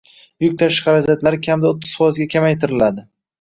Yuk tashish xarajatlari kamida o'ttiz foizga kamaytiriladi